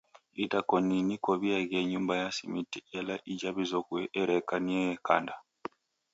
Idakoni niko w'iaghie nyumba ya smiti ela ija w'izoghue ereka ni yekanda.